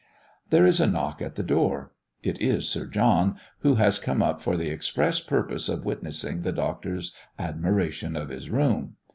There is a knock at the door. It is Sir John, who has come up for the express purpose of witnessing the Doctor's admiration of his room.